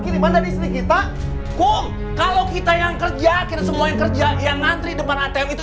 kiriman dari istri kita kum kalau kita yang kerja kita semuanya kerja yang nantri depan atm itu